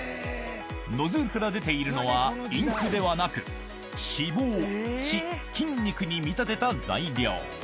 ノズルから出ているのは、インクではなく、脂肪、血、筋肉に見立てた材料。